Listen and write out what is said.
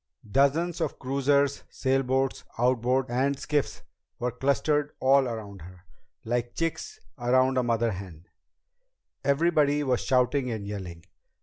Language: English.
Dozens of cruisers, sailboats, outboards, and skiffs were clustered all around her, like chicks around a mother hen. Everybody was shouting and yelling.